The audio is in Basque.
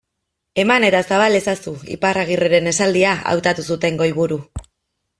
Eman eta zabal ezazu, Iparragirreren esaldia, hautatu zuten goiburu.